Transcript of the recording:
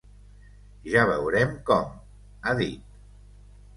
Ja veurem com, ha dit.